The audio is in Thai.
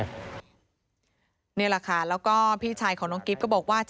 นี่แหละค่ะแล้วก็พี่ชายของน้องกิ๊บก็บอกว่า